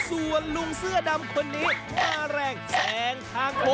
ส่วนลุงเสื้อดำคนนี้มาแรงแซงทางคอ